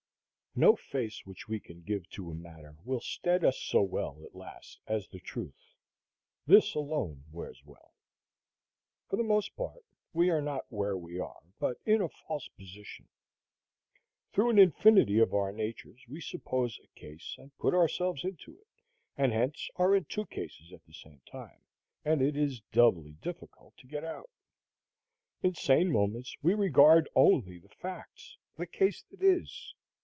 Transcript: No face which we can give to a matter will stead us so well at last as the truth. This alone wears well. For the most part, we are not where we are, but in a false position. Through an infinity of our natures, we suppose a case, and put ourselves into it, and hence are in two cases at the same time, and it is doubly difficult to get out. In sane moments we regard only the facts, the case that is.